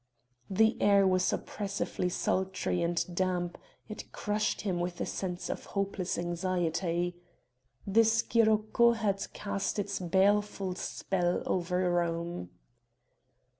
The air was oppressively sultry and damp; it crushed him with a sense of hopeless anxiety. The scirocco had cast its baleful spell over Rome.